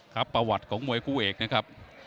ครับประวัติของมวยคู่เอกนะครับ